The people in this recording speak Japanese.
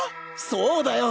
そうだよ！